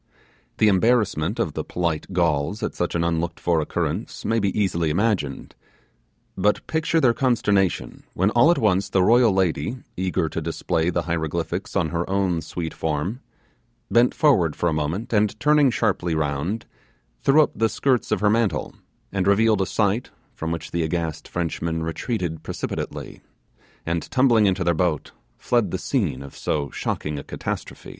The embarrassment of the polite Gauls at such an unlooked for occurrence may be easily imagined, but picture their consternation, when all at once the royal lady, eager to display the hieroglyphics on her own sweet form, bent forward for a moment, and turning sharply round, threw up the skirt of her mantle and revealed a sight from which the aghast Frenchmen retreated precipitately, and tumbling into their boats, fled the scene of so shocking a catastrophe.